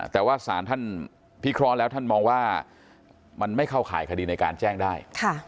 แต่ว่าสารท่านพิเคราะห์แล้วท่านมองว่ามันไม่เข้าข่ายคดีในการแจ้งได้